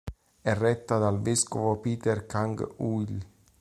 È retta dal vescovo Peter Kang U-il.